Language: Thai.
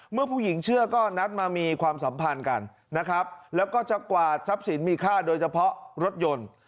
เมื่อผู้หญิงเชื่อก็นัดมามีความสัมพันธ์กันนะครับแล้วก็จะกวาดทรัพย์สินมีค่าโดยเฉพาะรถยนต์